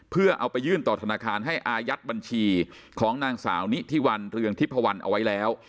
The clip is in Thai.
เพื่อเอาไปยื่นต่อธนาคารให้อายัดบัญชีของนางสาวนิธิวันเรืองทิพวันเอาไว้แล้ว